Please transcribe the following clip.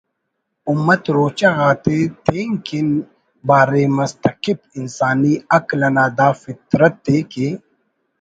امت روچہ غاتے تین کن باریم اس تکپ انسانی عقل انا دا فطرت ءِ کہ